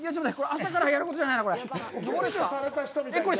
朝からやることじゃないなぁ、これ。